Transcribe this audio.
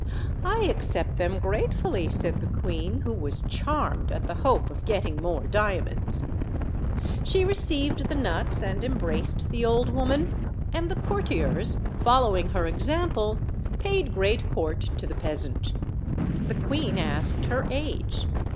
"I accept them gratefully," said the queen, who was charmed at the hope of getting more diamonds. She re ceived the nuts, and embraced the old woman; and the courtiers, following her example, paid great court to fchs peasant. The queen asked her age.